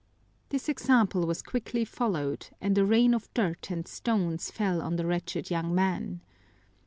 This example was quickly followed, and a rain of dirt and stones fell on the wretched young man.